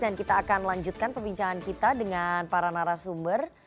dan kita akan melanjutkan pembincangan kita dengan para narasumber